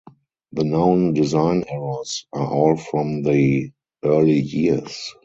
The known design errors are all from the early years.